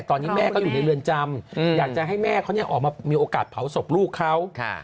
ตอนนี้แม่ก็อยู่ในเรือนจำอยากจะให้แม่เขาออกมามีโอกาสเผาศพลูกเขา